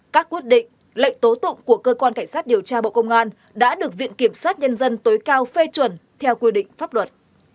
các quyết định lệnh tố tụng của cơ quan cảnh sát điều tra bộ công an đã được viện kiểm sát nhân dân tối cao phê chuẩn theo quy định pháp luật